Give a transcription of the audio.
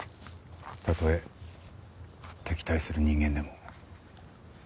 たとえ敵対する人間でも。